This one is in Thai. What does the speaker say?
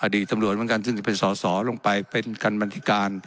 ตำรวจเหมือนกันซึ่งจะเป็นสอสอลงไปเป็นการบันทิการ